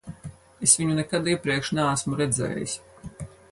Es viņu nekad iepriekš neesmu redzējis.